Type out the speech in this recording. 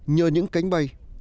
nhờ những cánh bay